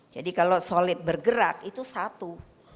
jadi kalau solid bergerak itu satu